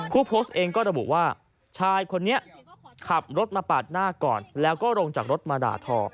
ผู้โพสต์เองก็ระบุว่าชายคนนี้ขับรถมาปาดหน้าก่อนแล้วก็ลงจากรถมาด่าทอ